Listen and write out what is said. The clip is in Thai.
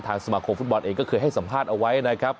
สมาคมฟุตบอลเองก็เคยให้สัมภาษณ์เอาไว้นะครับ